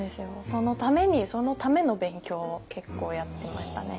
そのためにそのための勉強を結構やってましたね。